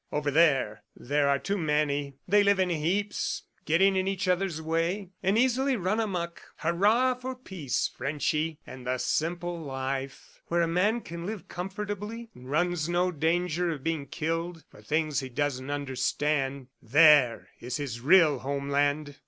Over there, there are too many; they live in heaps getting in each other's way, and easily run amuck. Hurrah for Peace, Frenchy, and the simple life! Where a man can live comfortably and runs no danger of being killed for things he doesn't understand there is his real homeland!"